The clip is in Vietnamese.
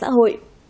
của toàn xã hội